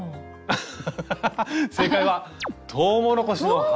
アハハハッ正解は「トウモロコシの花」。